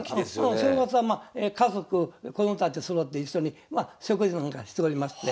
正月は家族子供たちそろって一緒に食事なんかしておりまして。